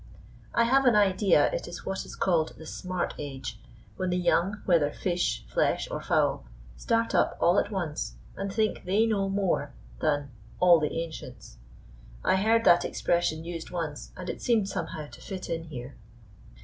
I have an idea it is what is called the "smart age," when the young, whether fish, flesh, or fowl, start up all at once, and think they know more than "than all the ancients." I heard that expression used once, and it seemed somehow to fit in here.